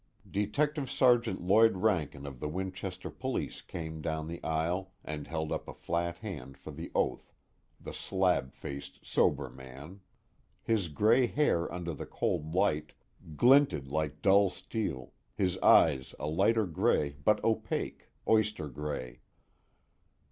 Detective Sergeant Lloyd Rankin of the Winchester Police came down the aisle and held up a flat hand for the oath, the slab faced sober man. His gray hair under the cold light glinted like dull steel, his eyes a lighter gray but opaque, oyster gray.